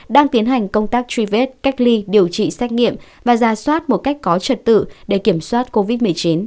đang tiến hành công tác truy vết cách ly điều trị xét nghiệm và ra soát một cách có trật tự để kiểm soát covid một mươi chín